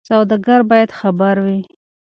سوداګر باید خبر وي.